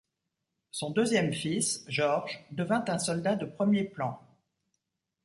Son deuxième fils, George, devint un soldat de premier plan.